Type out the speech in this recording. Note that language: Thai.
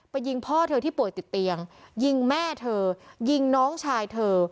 ยิงพ่อเธอที่ป่วยติดเตียงยิงแม่เธอยิงน้องชายเธอ